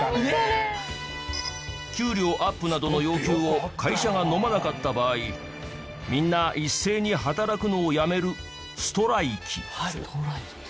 給料アップなどの要求を会社がのまなかった場合みんな一斉に働くのをやめるストライキ。